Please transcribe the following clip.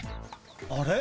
あれ？